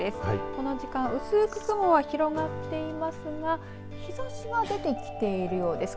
この時間薄く雲は広がっていますが日ざしが出てきているようです。